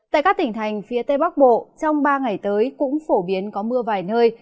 tại các tỉnh thành phía tây bắc bộ trong ba ngày tới cũng phổ biến có mưa vài nơi